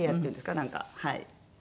なんかはい。